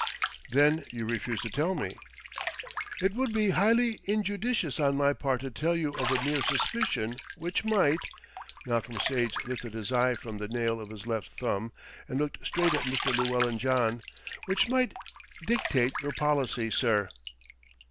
"Then you refuse to tell me?" "It would be highly injudicious on my part to tell you of a mere suspicion which might " Malcolm Sage lifted his eye from the nail of his left thumb, and looked straight at Mr. Llewellyn John "which might dictate your policy, sir."